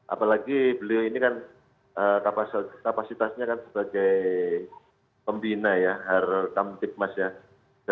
apalagi beliau ini kan kapasitasnya kan sebagai pembina ya harkam tipmas ya